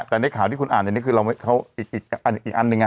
แต่ในข่าวที่คุณอ่านอันนี้คือเราเขาอีกอันอีกอันหนึ่งอ่ะ